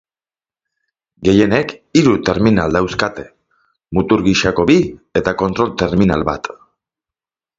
Gehienek hiru terminal dauzkate: mutur gisako bi eta kontrol-terminal bat.